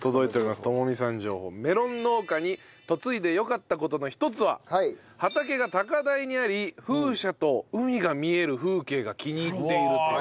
メロン農家に嫁いでよかった事の一つは畑が高台にあり風車と海が見える風景が気に入っているという。